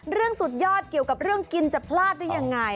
สุดยอดเกี่ยวกับเรื่องกินจะพลาดได้ยังไง